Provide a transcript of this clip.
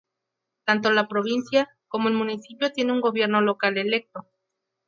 Tanto la provincia, como el municipio tiene un gobierno local electo.